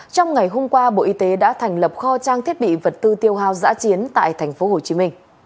trong ngày hôm qua bộ y tế đã thành lập kho trang thiết bị vật tư tiêu hào giã chiến tại tp hcm